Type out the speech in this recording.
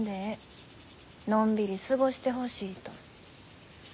のんびり過ごしてほしいと。